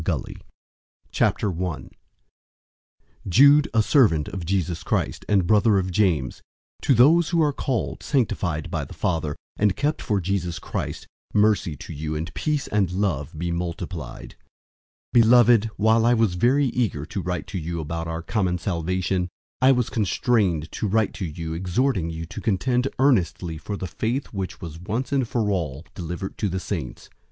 Book 65 Jude 001:001 Jude,{or, Judah} a servant of Jesus Christ, and brother of James, to those who are called, sanctified by God the Father, and kept for Jesus Christ: 001:002 Mercy to you and peace and love be multiplied. 001:003 Beloved, while I was very eager to write to you about our common salvation, I was constrained to write to you exhorting you to contend earnestly for the faith which was once for all delivered to the saints.